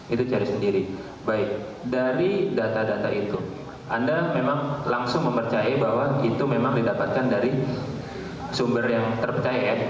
itu cari sendiri baik dari data data itu anda memang langsung mempercayai bahwa itu memang didapatkan dari sumber yang terpercaya